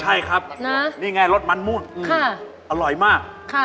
ใช่ครับนี่ไงรสมันมุ่นอร่อยมาก